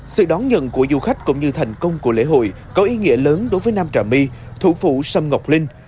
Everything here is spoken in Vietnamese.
sự đón nhận của du khách cũng như thành công của lễ hội có ý nghĩa lớn đối với nam trả mi thủ phụ sâm ngọc linh